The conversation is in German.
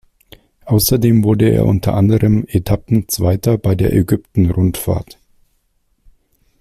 Außerdem wurde er unter anderem Etappenzweiter bei der Ägypten-Rundfahrt.